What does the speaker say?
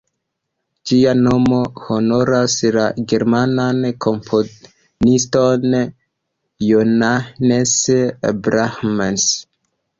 Ĝia nomo honoras la germanan komponiston Johannes Brahms.